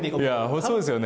そうですよね。